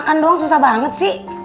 makan doang susah banget sih